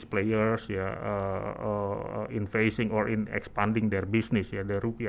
dalam mengembangkan atau mengembangkan bisnis mereka rupiah